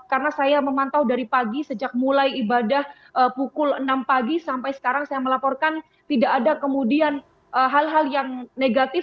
karena saya memantau dari pagi sejak mulai ibadah pukul enam pagi sampai sekarang saya melaporkan tidak ada kemudian hal hal yang negatif